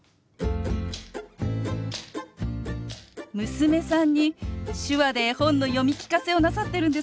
娘さんに手話で絵本の読み聞かせをなさってるんですね。